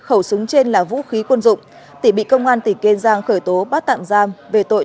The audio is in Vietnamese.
khẩu súng trên là vũ khí quân dụng tỉ bị công an tỉ kênh an giang khởi tố bắt tạm giam về tội